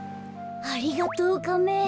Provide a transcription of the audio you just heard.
ありがとうカメ。